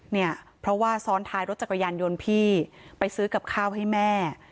เนี่ยเพราะว่าซ้อนท้ายรถจักรยานยนต์พี่ไปซื้อกับข้าวให้แม่